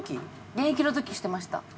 現役の時してました。